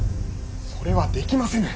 それはできませぬ。